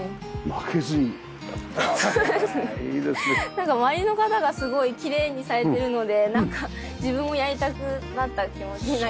なんか周りの方がすごいきれいにされているのでなんか自分もやりたくなった気持ちになりました。